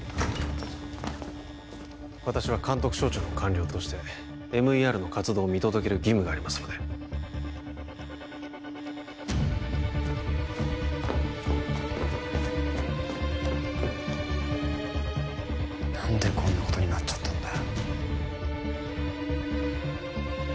私は監督省庁の官僚としてＭＥＲの活動を見届ける義務がありますので何でこんなことになっちゃったんだよ